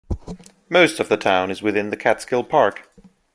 Most of the town is within the Catskill Park.